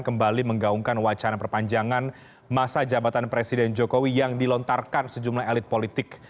kembali menggaungkan wacana perpanjangan masa jabatan presiden jokowi yang dilontarkan sejumlah elit politik